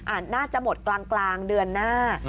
น่าจะหมดกลางเดือนหน้า